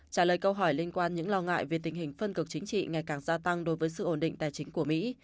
trả lời câu hỏi liên quan những lo ngại về tình hình phân cực chính trị ngày càng gia tăng đối với sự ổn định tài chính của mỹ